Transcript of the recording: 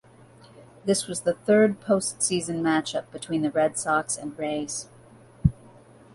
This was the third postseason matchup between the Red Sox and Rays.